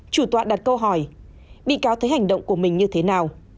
chủ tọa đặt câu hỏi bị cáo thấy hành động của mình như thế nào